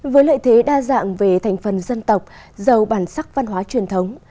với lợi thế đa dạng về thành phần dân tộc giàu bản sắc văn hóa truyền thống